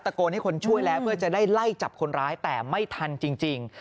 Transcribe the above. โกนให้คนช่วยแล้วเพื่อจะได้ไล่จับคนร้ายแต่ไม่ทันจริง